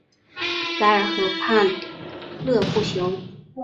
索尔河畔勒布雄。